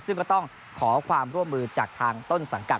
ซึ่งก็ต้องขอความร่วมมือจากทางต้นสังกัด